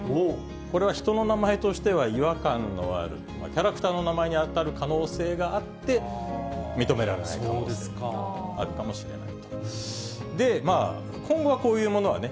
これは人の名前としては違和感のある、キャラクターの名前に当たる可能性があって、認められないという可能性があるかもしれないと。